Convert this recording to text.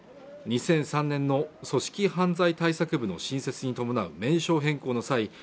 ２００３年の組織犯罪対策部の新設に伴う名称変更の際